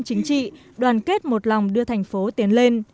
chính trị đoàn kết một lòng đưa thành phố tiến lên